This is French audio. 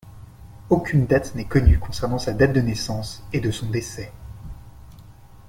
Aucune date n'est connue concernant sa date de naissance et de son décès.